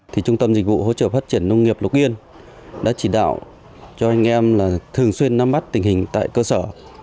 thì trung tâm dịch vụ hỗ trợ phát triển nông nghiệp lục yên đã chỉ đạo cho anh em là thường xuyên nắm bắt tình hình tại cơ sở